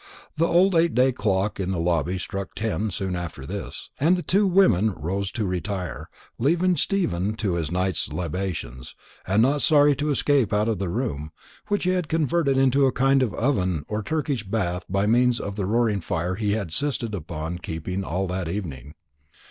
The old eight day clock in the lobby struck ten soon after this, and the two women rose to retire, leaving Stephen to his night's libations, and not sorry to escape out of the room, which he had converted into a kind of oven or Turkish bath by means of the roaring fire he had insisted upon keeping up all the evening.